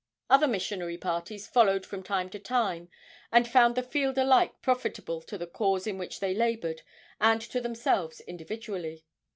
Other missionary parties followed from time to time, and found the field alike profitable to the cause in which they labored and to themselves individually.